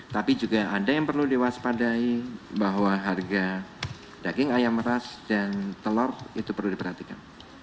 tapi juga ada yang perlu diwaspadai bahwa harga daging ayam ras dan telur itu perlu diperhatikan